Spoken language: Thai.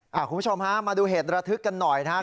คุณผู้ชมฮะมาดูเหตุระทึกกันหน่อยนะครับ